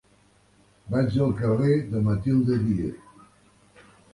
Vaig al carrer de Matilde Díez.